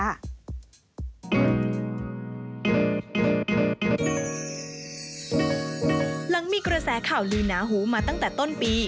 หลังมีกระแสข่าวลือหนาหูมาตั้งแต่ต้นปี